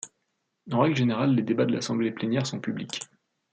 En règle générale, les débats de l'assemblée plénière sont publics.